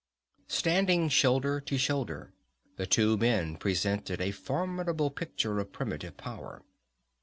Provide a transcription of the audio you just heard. Standing shoulder to shoulder the two men presented a formidable picture of primitive power.